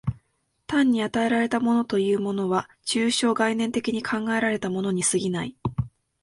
単に与えられたものというものは、抽象概念的に考えられたものに過ぎない。